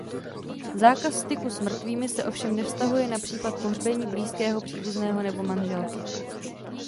Zákaz styku s mrtvými se ovšem nevztahuje na případ pohřbení blízkého příbuzného nebo manželky.